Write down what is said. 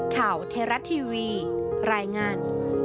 ข่าวเทราะทีวีรายงาน